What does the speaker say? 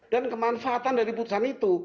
dan kemanfaatan dari putusan itu